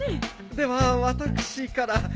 では私から。